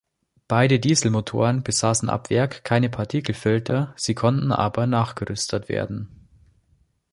Beide Dieselmotoren besaßen ab Werk keine Partikelfilter, sie konnten aber nachgerüstet werden.